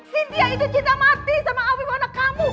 sintia itu cinta mati sama awil anak kamu